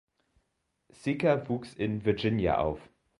Seka wuchs in Virginia auf.